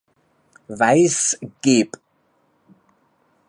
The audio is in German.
Weiss, geb.